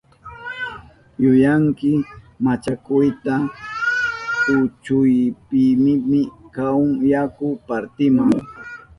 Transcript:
¡Yuyanki machakuyata kuchuykipimi kahun yaku partima!